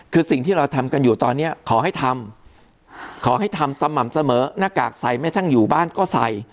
คือสิ่งที่เราทำกันอยู่ตอนนี้ขอให้ทำขอให้ทำสม่ำเสมอหน้ากากใส่แม้ทั้งอยู่บ้านก็ใส่